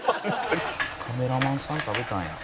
「カメラマンさん食べたんや」